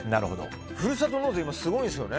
ふるさと納税はすごいんですよね。